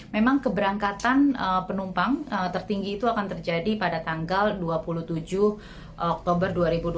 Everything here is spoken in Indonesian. memang keberangkatan penumpang tertinggi itu akan terjadi pada tanggal dua puluh tujuh oktober dua ribu dua puluh